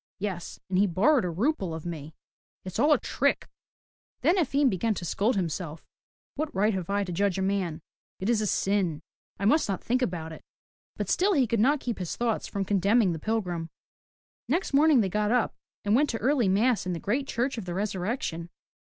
Yes, and he borrowed a rouble of me. It's all a trick!'* Then Efim began to scold himself, '*What right have I to judge a man? It is a sin. I must not think about it. But still he could not keep his thoughts from condemning the pilgrim. Next morning they got up and went to early mass in the great Church of the Resurrection.